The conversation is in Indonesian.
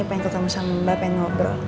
pengen ketemu sama mbak pengen ngobrol